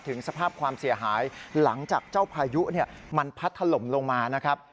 สภาพความเสียหายหลังจากเจ้าพายุมันพัดถล่มลงมานะครับ